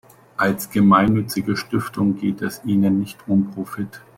Als gemeinnützige Stiftung geht es ihnen nicht um Profit.